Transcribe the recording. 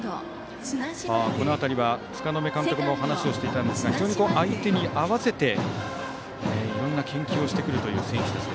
この辺りは柄目監督も話をしていたんですが非常に相手に合わせていろんな研究をしてくるという選手たちです。